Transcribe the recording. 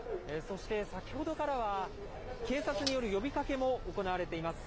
そして先ほどからは、警察による呼びかけも行われています。